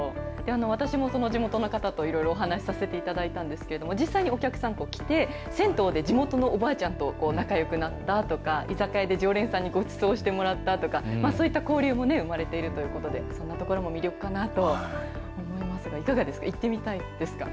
私も、地元の方といろいろお話させていただいたんですけど、実際にお客さん来て、銭湯で地元のおばあちゃんと仲よくなったとか、居酒屋で常連さんにごちそうしてもらったとか、そういった交流も生まれているということで、そんなところも魅力かなと思いますが、いかがですか、行ってみたいですか？